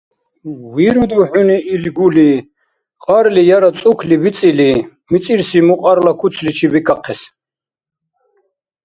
Вируду хӀуни ил гули, кьарли яра цӀукли бицӀили, мицӀирси мукьарла куцличи бикахъес?